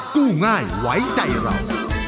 กู้ง่ายไว้ใจเรา